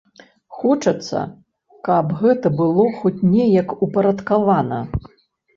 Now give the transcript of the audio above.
Хочацца, каб гэта было хоць неяк упарадкавана!